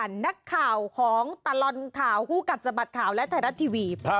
อย่างนี้แล้วกันนักข่าวของตลอดข่าวฮูกัจสะบัดข่าวและไทยรัฐทีวี